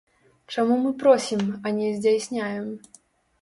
Чаму мы просім, а не здзяйсняем?